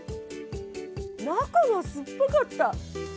中が酸っぱかった！